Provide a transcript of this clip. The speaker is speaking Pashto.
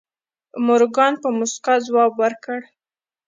مورګان په موسکا ځواب ورکړ.